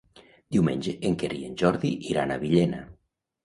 Diumenge en Quer i en Jordi iran a Villena.